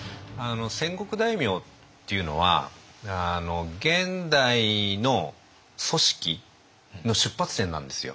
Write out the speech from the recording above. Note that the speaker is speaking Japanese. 戦国大名っていうのは現代の組織の出発点なんですよ。